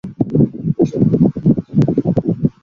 কে বলেছে আপনাকে?